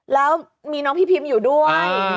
แล้วมีน้องพี่พิมอยู่ด้วย